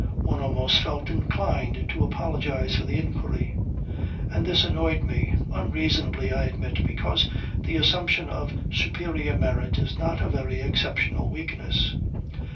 One almost felt inclined to apologize for the inquiry. And this annoyed me; unreasonably, I admit, because the assumption of superior merit is not a very exceptional weakness.